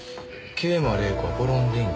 「桂馬麗子アポロン電機